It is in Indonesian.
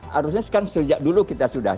harusnya kan sejak dulu kita sudah